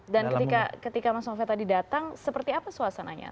dan ketika mas novel tadi datang seperti apa suasananya